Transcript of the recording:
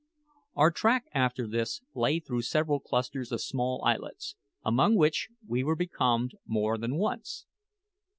Our track after this lay through several clusters of small islets, among which we were becalmed more than once.